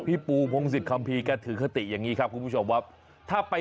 พี่ปูพงศิษย์คำพีกระถือคติอย่างนี้ครับคุณผู้ชมว่า